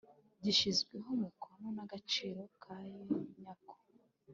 gishyizweho umukono n agaciro kayo nyako